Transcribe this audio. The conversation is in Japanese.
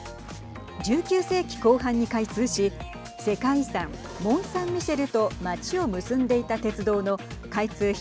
１９世紀後半に開通し世界遺産モンサンミシェルと街を結んでいた鉄道の開通